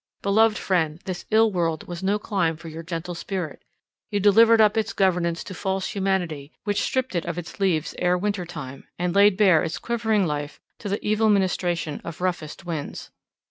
Beloved friend, this ill world was no clime for your gentle spirit; you delivered up its governance to false humanity, which stript it of its leaves ere winter time, and laid bare its quivering life to the evil ministration of roughest winds.